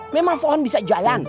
memang fohon bisa jalan